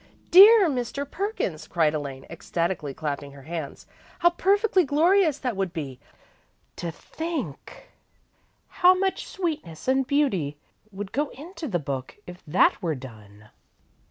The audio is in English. "Dear Mr. Perkins," cried Elaine, ecstatically clapping her hands, "how perfectly glorious that would be! To think how much sweetness and beauty would go into the book, if that were done!"